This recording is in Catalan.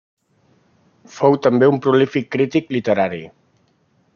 Fou també un prolífic crític literari.